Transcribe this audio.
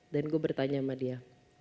gue bertanya sama dia